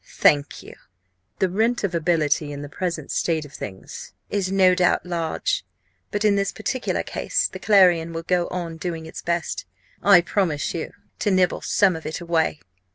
Thank you! The 'rent of ability' in the present state of things is, no doubt, large. But in this particular case the Clarion will go on doing its best I promise you to nibble some of it away!"